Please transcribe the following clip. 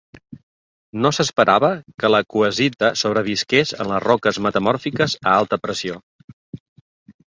No s'esperava que la coesita sobrevisqués en les roques metamòrfiques a alta pressió.